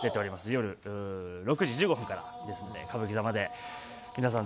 夜６時１５分からですので歌舞伎座まで皆さん